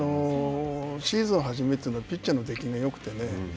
シーズン初めはピッチャーの出来がよくてね